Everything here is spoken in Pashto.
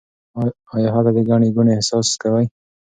آیا هلته د ګڼې ګوڼې احساس کوئ؟